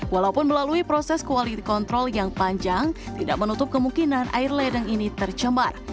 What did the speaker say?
walaupun melalui proses kualitas kontrol yang panjang tidak menutup kemungkinan air ledeng ini tercemar